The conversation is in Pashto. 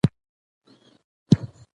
ښوونه د فکر پراخېدو لامل ګرځي